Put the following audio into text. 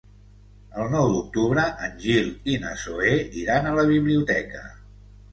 El nou d'octubre en Gil i na Zoè iran a la biblioteca.